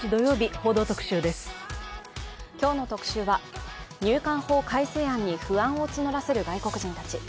今日の特集は、入管法改正案に不安を募らせる外国人たち。